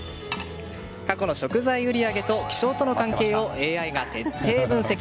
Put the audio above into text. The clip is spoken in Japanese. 過去の食材売り上げと気象との関係をＡＩが徹底分析。